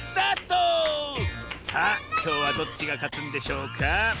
さあきょうはどっちがかつんでしょうか？